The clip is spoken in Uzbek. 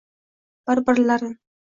bir-birlarin